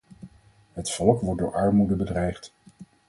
Het volk wordt door armoede bedreigd.